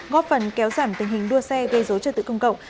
góp phần kéo giảm tình hình đua xe gây dấu cho tự công cộng